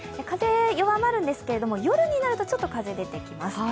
風が弱まるんですけれども、夜になるとちょっと風が出てきます。